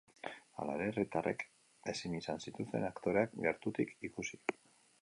Hala ere, herritarrek ezin izan zituzten aktoreak gertutik ikusi.